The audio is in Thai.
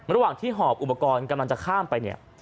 ระหว่างที่หอบอุปกรณ์จะข้ามไป